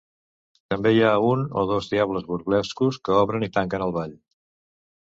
També hi ha un o dos diables burlescos que obren i tanquen el Ball.